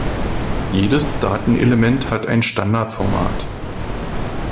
Jedes Datenelement hat ein Standardformat.